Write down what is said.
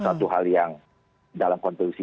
satu hal yang dalam kontelusi